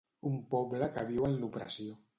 Un poble que viu en l'opressió.